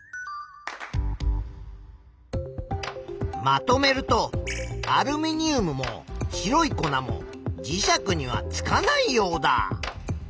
まとめるとアルミニウムも白い粉も磁石にはつかないヨウダ。